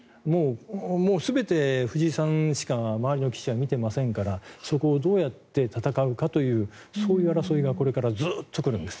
もう全て藤井さんしか周りの棋士は見てませんからそこをどうやって戦うかというそういう争いがこれからずっと来るんです。